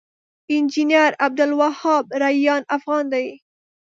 انجنير عبدالوهاب ريان افغان دی